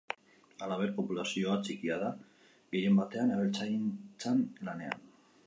Halaber, populazioa txikia da, gehien batean abeltzaintzan lanean.